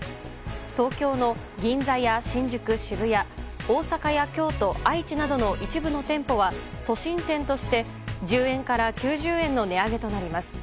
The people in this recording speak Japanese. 東京の銀座や新宿、渋谷大阪や京都、愛知などの一部の店舗は都心店として１０円から９０円の値上げとなります。